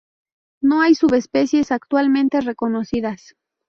No hay subespecies actualmente reconocidas.